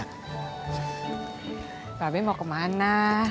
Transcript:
mbak be mau kemana